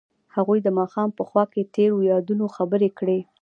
هغوی د ماښام په خوا کې تیرو یادونو خبرې کړې.